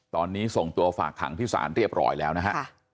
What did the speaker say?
ตอนนี้ส่งตัวฝากขังที่ศาลเรียบร้อยแล้วนะฮะ